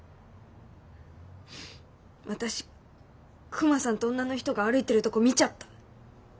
私クマさんと女の人が歩いてるとこ見ちゃった。